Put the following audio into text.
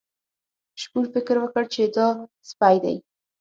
شپون فکر وکړ چې دا سپی دی.